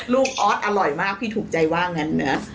ออสอร่อยมากพี่ถูกใจว่างั้นนะ